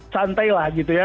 santai lah gitu ya